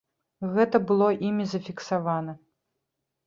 Гэта было імі зафіксавана.